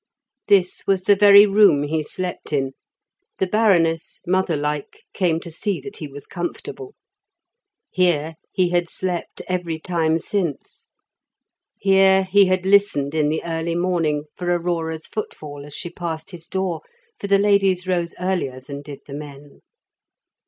This was the very room he slept in; the Baroness, mother like, came to see that he was comfortable. Here he had slept every time since; here he had listened in the early morning for Aurora's footfall as she passed his door, for the ladies rose earlier than did the men.